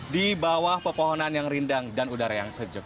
di bawah pepohonan yang rindang dan udara yang sejuk